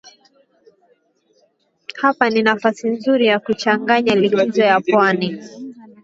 Hapa ni nafasi nzuri ya kuchanganya likizo ya pwani